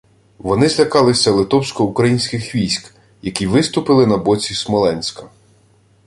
Вони злякалися литовсько-українських військ, які виступили на боці Смоленська;